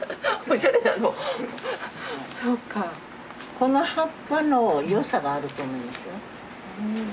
この葉っぱの良さがあると思いますよ。